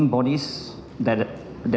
tubuh yang telah